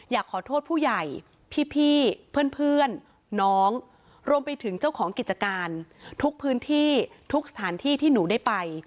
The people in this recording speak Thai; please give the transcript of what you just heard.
อยากขอโทษผู้ใหญ่พี่เพื่อนน้องรวมไปถึงเจ้าของกิจการทุกพื้นที่ทุกสถานที่ที่หนูได้ไป